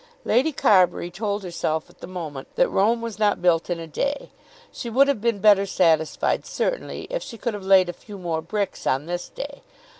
Lady Carbury told herself at the moment that Rome was not built in a day. She would have been better satisfied certainly if she could have laid a few more bricks on this day.